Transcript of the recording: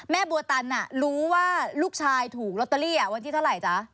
บัวตันรู้ว่าลูกชายถูกลอตเตอรี่วันที่เท่าไหร่จ๊ะ